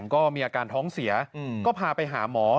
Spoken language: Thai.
ก็มีอาการท้องเสียก็พาไปหาหมอ